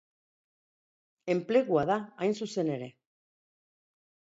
Enplegua da, hain zuzen ere.